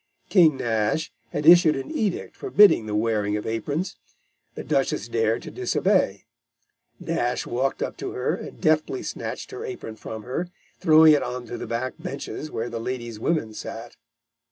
King Nash had issued an edict forbidding the wearing of aprons. The Duchess dared to disobey. Nash walked up to her and deftly snatched her apron from her, throwing it on to the back benches where the ladies' women sat.